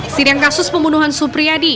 sidiang kasus pembunuhan supriyadi